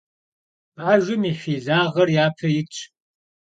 Bajjem yi hilağer yape yitş.